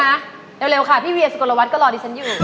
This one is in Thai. อ่ะคุณมาเร็วค่ะพี่เบียร์สุโกรวัตรก็รอดีฉันอยู่